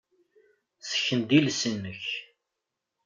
Ssken-d iles-nnek.